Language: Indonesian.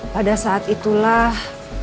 pada saat itulah